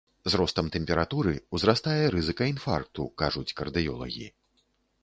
З ростам тэмпературы ўзрастае рызыка інфаркту, кажуць кардыёлагі.